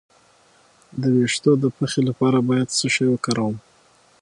د ویښتو د پخې لپاره باید څه شی وکاروم؟